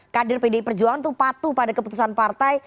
kader pdi perjuangan itu patuh pada keputusan partai